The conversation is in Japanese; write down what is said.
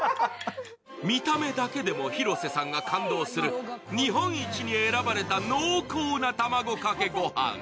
見た目だけでも広瀬さんが感動する、日本一に選ばれた濃厚な、たまごかけごはん。